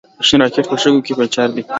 شین راکېټ په شګو کې پنجر دی.